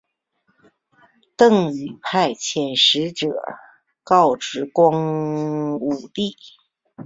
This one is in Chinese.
邓禹派遣使者告知光武帝。